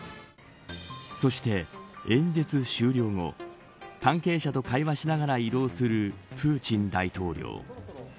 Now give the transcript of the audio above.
そして、演説終了後関係者と会話しながら移動するプーチン大統領。